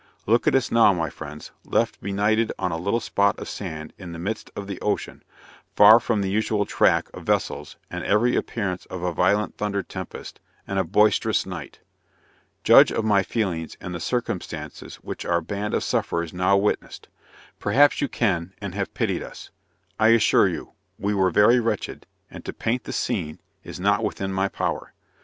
Look at us now, my friends, left benighted on a little spot of sand in the midst of the ocean, far from the usual track of vessels, and every appearance of a violent thunder tempest, and a boisterous night. Judge of my feelings, and the circumstances which our band of sufferers now witnessed. Perhaps you can and have pitied us. I assure you, we were very wretched; and to paint the scene, is not within my power.